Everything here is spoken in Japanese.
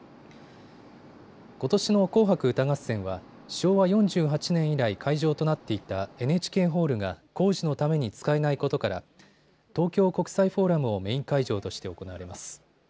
ことしの紅白歌合戦は昭和４８年以来会場となっていたＮＨＫホールが工事のために使えないことから東京国際フォーラムをメイン会場として行われます。